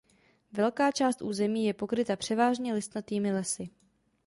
Velká část území je pokryta převážně listnatými lesy.